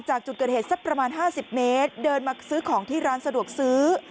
จากจุดเกิดเหตุสักประมาณ๕๐เมตรเดินมาซื้อของที่ร้านสะดวกซื้อ